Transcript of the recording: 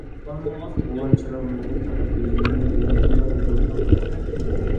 غۇۋا چىراغ نۇرى پەقەت يۈزۈمنىڭ يېرىمىنىلا يورۇتۇپ تۇراتتى.